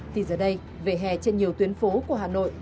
thì giờ đây vẻ hè trên nhiều tuyến phố của hà nội